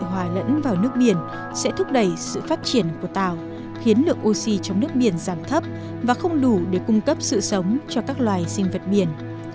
những nguyên nhân có thể được đưa vào nước biển sẽ thúc đẩy sự phát triển của tàu khiến lượng oxy trong nước biển giảm thấp và không đủ để cung cấp sự sống cho các loài sinh vật biển